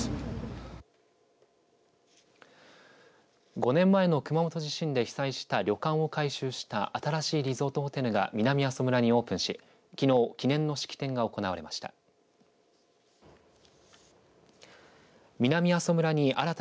５年前の熊本地震で被災した旅館を改修した新しいリゾートホテルが南阿蘇村にオープンし、きのう記念の式典が行われました。